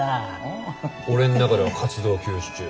俺ん中では活動休止中。